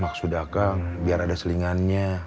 maksud akal biar ada selingannya